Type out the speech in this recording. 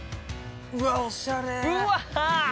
◆うわあ、おしゃれ。